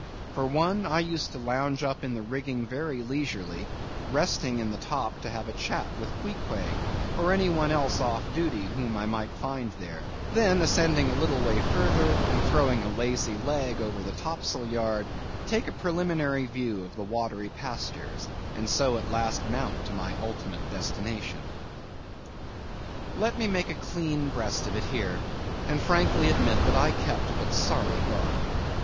For one, I used to lounge up the rigging very leisurely, resting in the top to have a chat with Queequeg, or any one else off duty whom I might find there; then ascending a little way further, and throwing a lazy leg over the top sail yard, take a preliminary view of the watery pastures, and so at last mount to my ultimate destination. Let me make a clean breast of it here, and frankly admit that I kept but sorry guard.